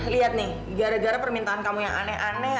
lihat nih gara gara permintaan kamu yang aneh aneh